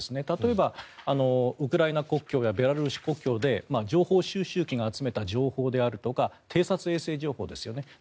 例えば、ウクライナ国境やベラルーシ国境で情報収集機が集めた情報であるとか偵察衛星情報ですよね。